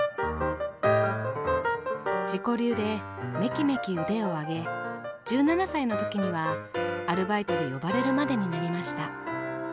自己流でメキメキ腕を上げ１７歳の時にはアルバイトで呼ばれるまでになりました。